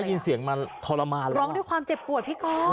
ได้ยินเสียงมันทรมานเลยร้องด้วยความเจ็บปวดพี่ก๊อฟ